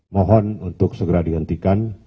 mohon untuk segera dihentikan